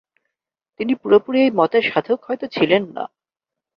তিনি পুরোপুরি এই মতের সাধক হয়তো ছিলেন না।